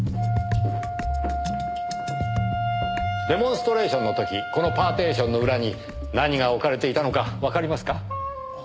デモンストレーションの時このパーティションの裏に何が置かれていたのかわかりますか？